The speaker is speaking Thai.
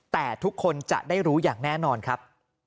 แต่ทุกคนจะได้รู้อย่างแน่นอนครับ